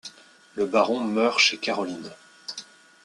Le baron meurt chez Caroline.